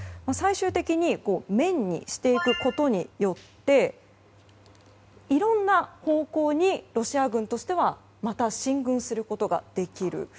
最終的に面にしていくことによっていろんな方向にロシア軍としてはまた進軍することができる。